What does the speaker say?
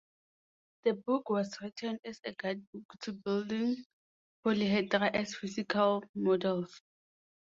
The book was written as a guide book to building polyhedra as physical models.